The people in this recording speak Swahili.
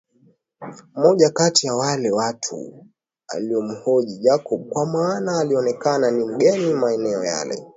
Mmoja kati ya wale watu alimuhoji Jacob kwa maana alionekana ni mgeni maeneo yale